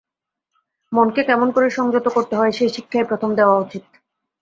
মনকে কেমন করে সংযত করতে হয়, সেই শিক্ষাই প্রথম দেওয়া উচিত।